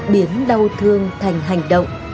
biến đau thương thành hành động